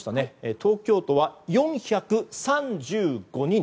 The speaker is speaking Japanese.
東京都は４３５人。